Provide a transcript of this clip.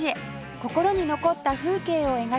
心に残った風景を描きます